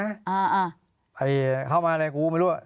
อ่าอ่าไปเข้ามาเลยกูไม่รู้ว่า